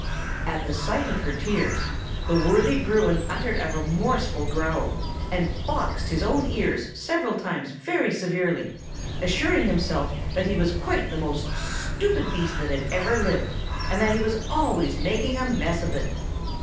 At the sight of her tears, the worthy Bruin uttered a remorseful growl, and boxed his own ears several times very severely, assuring himself that he was quite the most stupid beast that ever lived, and that he was always making a mess of it.